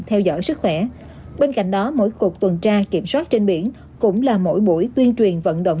theo dõi sức khỏe bên cạnh đó mỗi cuộc tuần tra kiểm soát trên biển cũng là mỗi buổi tuyên truyền vận động